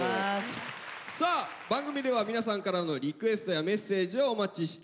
さあ番組では皆さんからのリクエストやメッセージをお待ちしております。